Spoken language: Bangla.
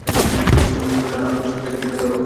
ওলি বললো, আপনি এই জায়গায় ত্যাগের কথা ভাবছেন।